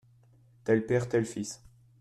Tel père, tel fils.